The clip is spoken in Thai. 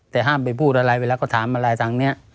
แต่ห้ามไปพูดอะไรเวลาเขาถามอะไรทางนี้